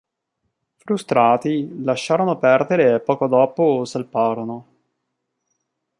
Frustrati, lasciarono perdere e poco dopo salparono.